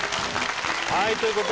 はい。